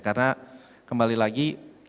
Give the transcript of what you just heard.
karena kembali lagi